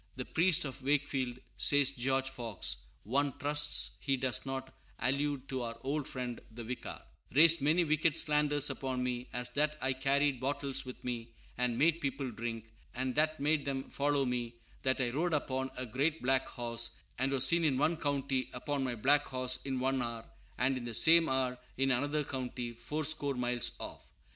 "The Priest of Wakefield," says George Fox (one trusts he does not allude to our old friend the Vicar), "raised many wicked slanders upon me, as that I carried bottles with me and made people drink, and that made them follow me; that I rode upon a great black horse, and was seen in one county upon my black horse in one hour, and in the same hour in another county fourscore miles off."